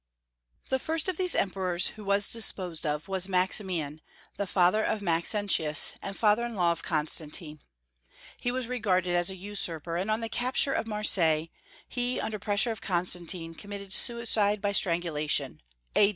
The first of these emperors who was disposed of was Maximian, the father of Maxentius and father in law of Constantine. He was regarded as a usurper, and on the capture of Marseilles, he under pressure of Constantine committed suicide by strangulation, A.